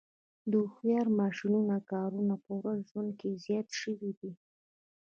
د هوښیار ماشینونو کارونه په ورځني ژوند کې زیات شوي دي.